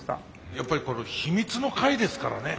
やっぱり秘密の会ですからね。